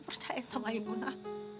percaya sama ibu nak